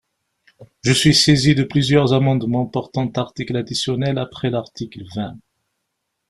Je suis saisi de plusieurs amendements portant article additionnel après l’article vingt.